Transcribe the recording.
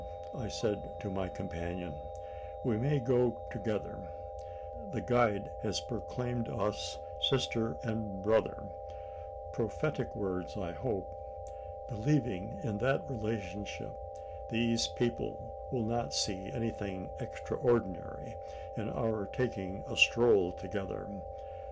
I said to my companion, "we may go together. The guide has proclaimed us sister and brother prophetic words, I hope. Believing in that relationship, these people will not see anything extraordinary in our taking a stroll together.